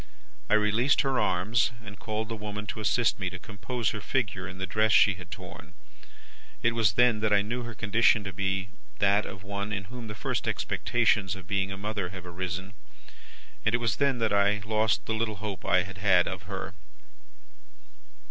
I released her arms, and called the woman to assist me to compose her figure and the dress she had torn. It was then that I knew her condition to be that of one in whom the first expectations of being a mother have arisen; and it was then that I lost the little hope I had had of her.